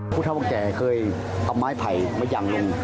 พุทธภักดิ์แกเคยเอาไม้ไผ่มายั่งลง